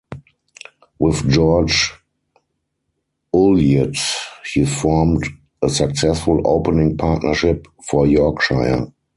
With George Ulyett, he formed a successful opening partnership for Yorkshire.